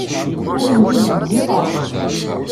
Ad nemlil deg yiḍ-a.